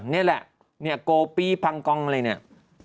นี่แหละเนี่ยโกปี้พังกองอะไรเนี่ย